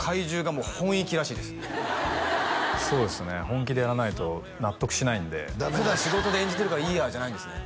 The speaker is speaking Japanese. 本気でやらないと納得しないんで普段仕事で演じてるからいいやじゃないんですね